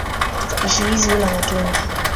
Spishi hizi hula matunda.